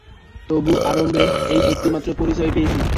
তবু আরম্ভে এই একটিমাত্র পরিচয়ই পেয়েছেন।